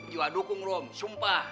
jua dukung room sumpah